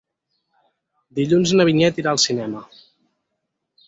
Dilluns na Vinyet irà al cinema.